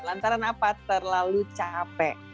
lantaran apa terlalu capek